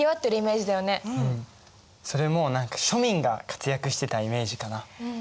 それも何か庶民が活躍してたイメージかな。